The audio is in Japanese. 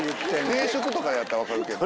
定食とかやったら分かるけど。